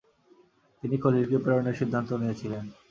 তিনি খলিলকে প্রেরণের সিদ্ধান্ত নিয়েছিলেন।